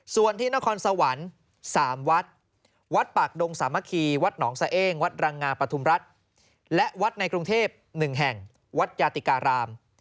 ส่วนที่นครสวรรค์๓วัดวัดปากดงสามัคคีวัดหนองสะเอ้งวัดรังงามปฐุมรัฐและวัดในกรุงเทพ๑แห่งวัดยาติการาม